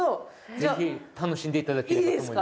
ぜひ楽しんでいただければと思います。